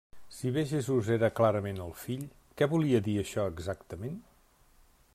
Si bé Jesús era clarament el Fill, què volia dir això exactament?